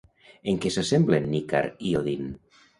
En què s'assemblen Nickar i Odin?